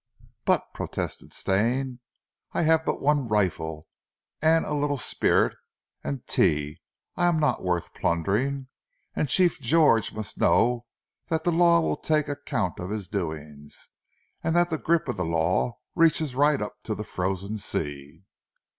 "But," protested Stane, "I have but one rifle and little spirit and tea. I am not worth plundering, and Chief George must know that the law will take account of his doings, and that the grip of the law reaches right up to the Frozen Sea."